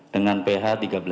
dengan ph tiga belas